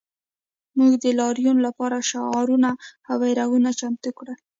موږ د لاریون لپاره شعارونه او بیرغونه چمتو کړل